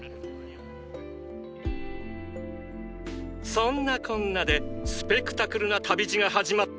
そんなこんなでスペクタクルな旅路が始まった！